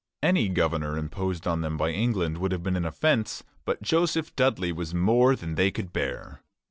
Any governor imposed on them by England would have been an offence; but Joseph Dudley was more than they could bear.